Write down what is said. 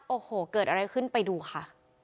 โอ้โหเกิดอะไรขึ้นไปดูค่ะ